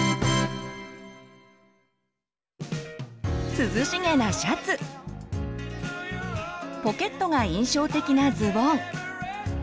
涼しげなシャツポケットが印象的なズボン